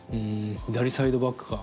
左サイドバックか。